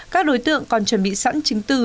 các đối tượng còn chuẩn bị sẵn chứng từ